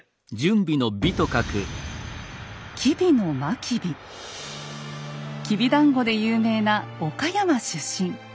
きびだんごで有名な岡山出身。